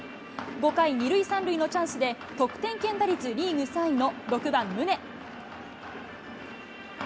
５回、２塁３塁のチャンスで、得点圏打率リーグ３位の６番宗。